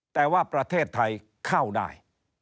แต่ว่าประเทศไทยเข้าได้